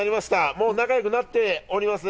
もう仲良くなっております。